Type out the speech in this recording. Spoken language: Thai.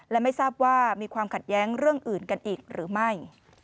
และไม่ทราบว่ามีความขัดแย้งเรื่องอื่นกันอีกหรือไม่